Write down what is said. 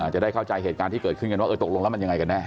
จะได้เข้าใจเหตุการณ์ที่เกิดขึ้นกันว่าเออตกลงแล้วมันยังไงกันแน่